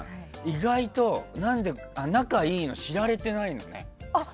意外と仲いいの知られてないのよね。